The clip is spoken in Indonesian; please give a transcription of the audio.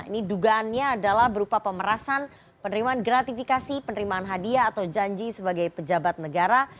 ini dugaannya adalah berupa pemerasan penerimaan gratifikasi penerimaan hadiah atau janji sebagai pejabat negara